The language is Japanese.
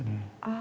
あ。